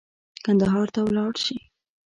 کندهار ته ولاړ شي.